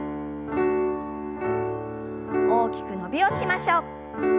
大きく伸びをしましょう。